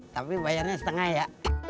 tapi bayarnya setengah ya